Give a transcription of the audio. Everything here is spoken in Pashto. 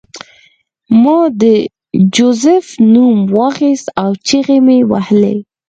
ما د جوزف نوم واخیست او چیغې مې وهلې